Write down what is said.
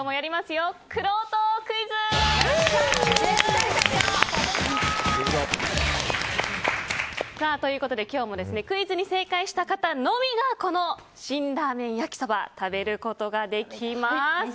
よくろうとクイズ！ということで今日もクイズに正解した方のみがこの辛ラーメン焼きそば食べることができます。